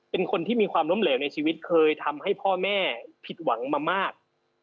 เป็นคนที่มีความล้มเหลวในชีวิตเคยทำให้พ่อแม่ผิดหวังมามาก